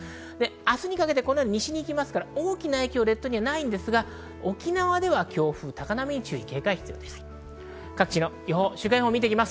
明日にかけて西に行きますから、大きな影響は列島にはないんですが沖縄では強風・高波に注意・警戒が必要です。